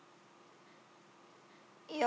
いや。